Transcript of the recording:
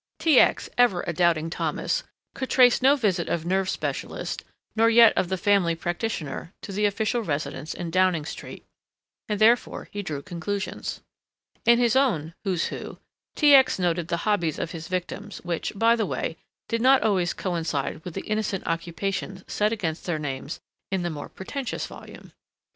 T. X., ever a Doubting Thomas, could trace no visit of nerve specialist, nor yet of the family practitioner, to the official residence in Downing Street, and therefore he drew conclusions. In his own "Who's Who" T. X. noted the hobbies of his victims which, by the way, did not always coincide with the innocent occupations set against their names in the more pretentious volume.